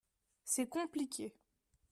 C’est compliqué.